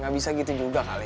gak bisa gitu juga kali ya